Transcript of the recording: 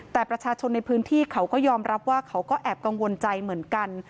แต่ประชาชนในพื้นที่เขาก็ยอมรับว่าเขาก็แอบกังวลใจเหมือนกัน